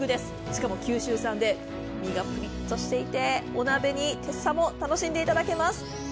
しかも九州産で身がプリっとしていてお鍋にてっさも楽しんでいただけます。